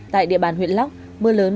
tại địa bàn huyện lắc mưa lớn